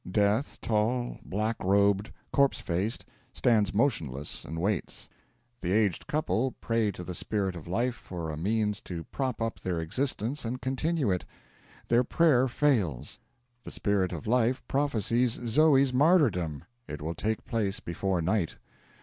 Death, tall, black robed, corpse faced, stands motionless and waits. The aged couple pray to the Spirit of Life for a means to prop up their existence and continue it. Their prayer fails. The Spirit of Life prophesies Zoe's martyrdom; it will take place before night.